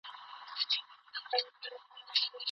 مولده پانګه د فابریکو لخوا کارول کیږي.